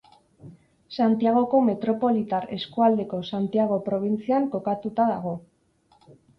Santiagoko metropolitar eskualdeko Santiago probintzian kokatuta dago.